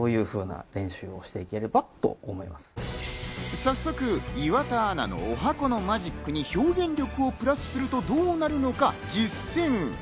早速、岩田アナの十八番のマジックに表現力をプラスするとどうなるのか実践。